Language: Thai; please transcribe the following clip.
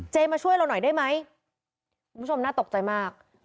มาช่วยเราหน่อยได้ไหมคุณผู้ชมน่าตกใจมาก